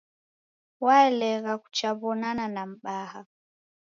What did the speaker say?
Walegha kuchaw'onana na mbaha.